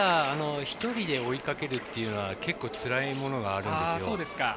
１人で追いかけるというのは結構つらいものがあるんです。